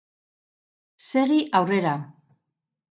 Segi aurrera.